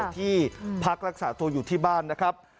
ที่พักรักษาตัวอยู่ที่บ้านนะครับ